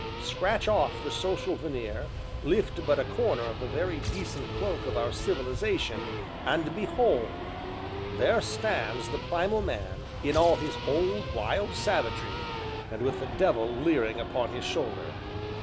Scratch off the social veneer, lift but a corner of the very decent cloak of our civilization, and behold! there stands the Primal Man in all his old, wild savagery, and with the devil leering upon his shoulder.